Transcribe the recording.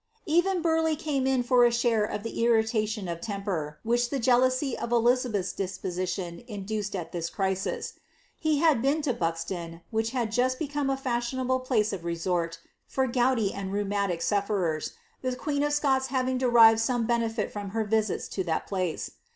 Even Burleigh came in for a share of the irritation of temper, which be jealousy of Elizabeth^s disposition induced at this crisis. He had wen to Buxton, which had just become a fashionable place of resort br gouty and rheumatic sufferers, the queen of Scots having derived lone benefit from her visits to that place.